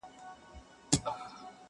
بې پیسو نه دچا خپل نه د چا سیال یې,